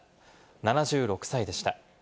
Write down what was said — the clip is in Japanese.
７６歳でした。